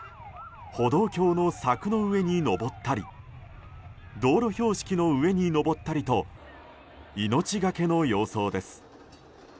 歩道橋の柵の上に登ったり道路標識の上に登ったりと命がけの様相です。